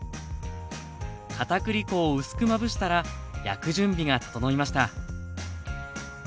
かたくり粉を薄くまぶしたら焼く準備が整いました